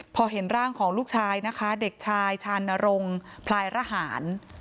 พอเห็นร่างของลูกชายนะคะเด็กชายชานรงพลายระหาร